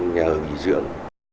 nhà ở nghỉ dưỡng